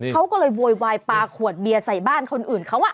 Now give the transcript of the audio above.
เขาก็เลยโวยวายปลาขวดเบียร์ใส่บ้านคนอื่นเขา